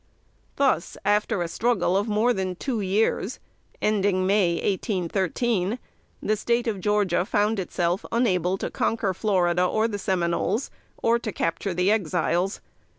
Thus, after a struggle of more than two years (ending May, 1813), the State of Georgia found itself unable to conquer Florida or the Seminoles, or to capture the Exiles.